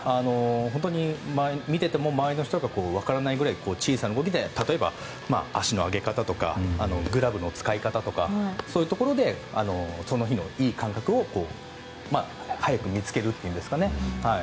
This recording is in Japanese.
本当に、見ていても周りの人が分からないくらい小さな動きで例えば足の上げ方とかグラブの使い方とかそういうところでその日のいい感覚を早く見つけるというんですかね。